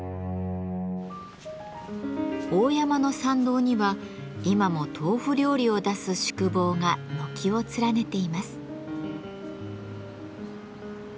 大山の参道には今も豆腐料理を出す宿坊が軒を連ねています。